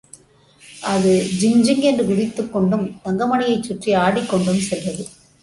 அது ஜிங்ஜிங் என்று குதித்துக்கொண்டும் தங்கமணியைச் சுற்றி ஆடிக்கொண்டும் சென்றது.